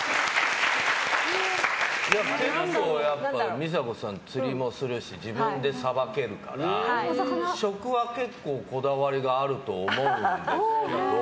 結構、美佐子さん釣りもするし自分でさばけるから食は結構こだわりがあると思うんですけど。